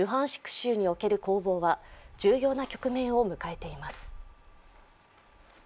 州における攻防は重要な局面を迎えています。